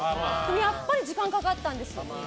やっぱり時間かかったんです。